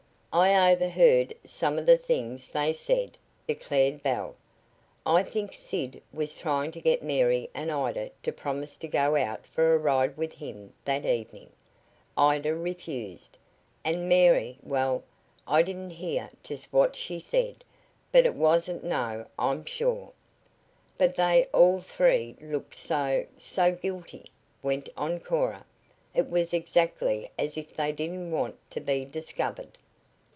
"I overheard some of the things they said," declared Belle. "I think Sid was trying to get Mary and Ida to promise to go out for a ride with him that evening. Ida refused, and Mary well, I didn't hear just what she said but it wasn't no, I'm sure." "But they all three looked so so guilty," went on Cora. "It was exactly as if they didn't want to be discovered."